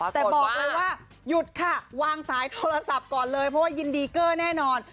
แต่บอกเลยว่าหยุดค่ะวางสายโทรศัพท์ก่อนเลยเพราะว่ายินดีเกอร์แน่นอน